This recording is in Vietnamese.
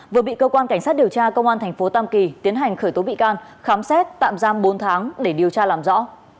vừa bị cơ quan cảnh sát điều tra công an tp tam kỳ tiến hành khởi tố bị can khám xét tạm giam bốn tháng để điều tra làm rõ